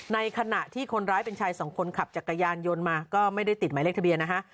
ในขณะที่คนร้ายเป็นชายสองคนขับจักรยานยนต์มาก็ไม่ได้ติดหมายเลขทะเบียนนะฮะ